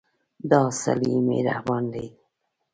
دا سړی مهربان دی.